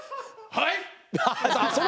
はい。